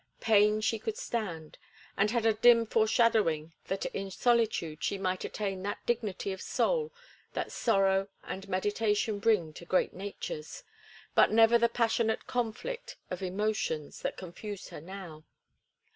Pain she could stand, and had a dim foreshadowing that in solitude she might attain that dignity of soul that sorrow and meditation bring to great natures, but never the passionate conflict of emotions that confused her now.